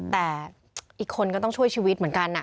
แต่อีกคนก็ต้องช่วยชีวิตเหมือนกัน